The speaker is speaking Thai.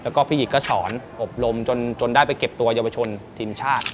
แล้วก็พี่หญิงก็สอนอบรมจนได้ไปเก็บตัวเยาวชนทีมชาติ